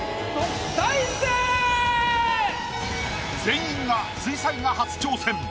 全員が水彩画初挑戦。